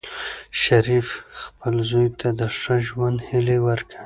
شریف خپل زوی ته د ښه ژوند هیلې ورکوي.